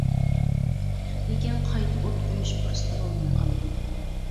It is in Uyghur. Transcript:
لېكىن قايتا ئوت قويۇش پۇرسىتى بولماي قالىدۇ.